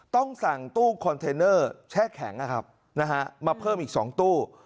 ต้องสั่งตู้คอนเทนเนอร์แช่แข็งมาเพิ่มอีก๒ตู้